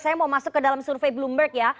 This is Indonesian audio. saya mau masuk ke dalam survei bloomberg ya